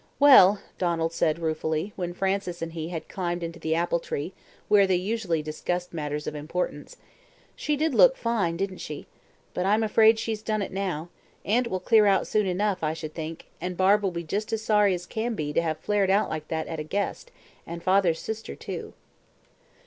"Well!" Donald said ruefully, when Frances and he had climbed into the apple tree where they usually discussed matters of importance. "She did look fine, didn't she? But I'm afraid she's done it now. Aunt will clear out soon enough, I should think, and Barbe will just be as sorry as can be to have flared out like that at a guest, and father's sister too."